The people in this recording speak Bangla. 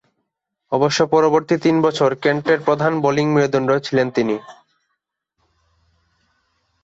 অবশ্য পরবর্তী তিন বছর কেন্টের প্রধান বোলিং মেরুদণ্ড ছিলেন তিনি।